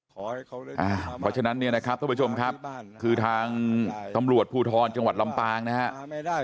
เพราะฉะนั้นเนี่ยนะครับท่านผู้ชมครับคือทางตำรวจภูทรจังหวัดลำปางนะครับ